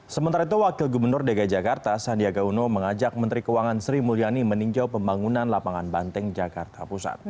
sementara itu wakil gubernur dki jakarta sandiaga uno mengajak menteri keuangan sri mulyani meninjau pembangunan lapangan banteng jakarta pusat